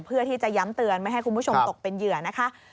เพื่อที่จะย้ำเตือนไม่ให้คุณผู้ชมตกเป็นเหยื่อนะคะ